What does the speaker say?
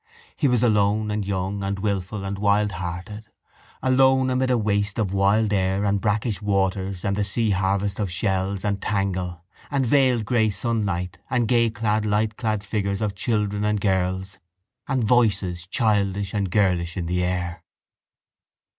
He was alone and young and wilful and wildhearted, alone amid a waste of wild air and brackish waters and the seaharvest of shells and tangle and veiled grey sunlight and gayclad lightclad figures of children and girls and voices childish and girlish in the air.